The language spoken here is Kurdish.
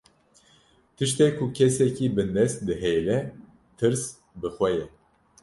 Tiştê ku kesekî bindest dihêle, tirs bi xwe ye